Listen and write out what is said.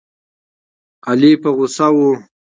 علي په غوسه و.